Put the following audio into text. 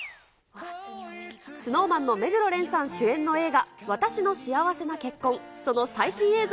ＳｎｏｗＭａｎの目黒蓮さん主演の映画、わたしの幸せな結婚。